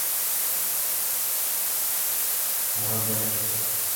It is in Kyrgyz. Буга бир ай кетет.